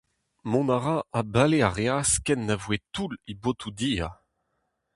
Mont a ra ha bale a reas ken na voe toull he botoù dir.